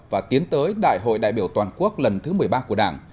và tiến tới đại hội đại biểu toàn quốc lần thứ một mươi ba của đảng